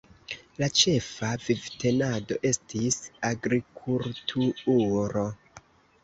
La ĉefa vivtenado estis agrikultuuro.